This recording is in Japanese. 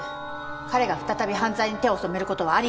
彼が再び犯罪に手を染める事はあり得ません！